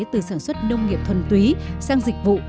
từ sản xuất nông nghiệp thuần túy sang dịch vụ